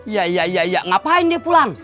ya ya ya ya ngapain dia pulang